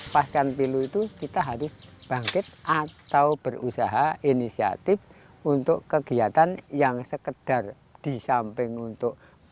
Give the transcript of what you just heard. pasca pilu itu kita harus bangkit atau berusaha inisiatif untuk kegiatan yang sekedar di samping untuk